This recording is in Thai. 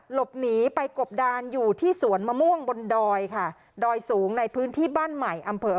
หลบหนีไปกบดานอยู่ที่สวนมะม่วงบนดอยค่ะดอยสูงในพื้นที่บ้านใหม่อำเภอ